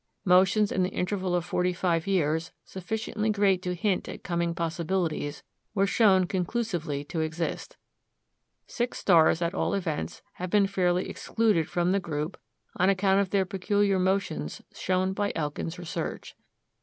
Motions in the interval of forty five years, sufficiently great to hint at coming possibilities, were shown conclusively to exist. Six stars at all events have been fairly excluded from the group on account of their peculiar motions shown by Elkin's research.